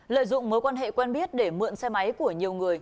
lợi dụng mối quan hệ quen biết để mượn xe máy của nhiều người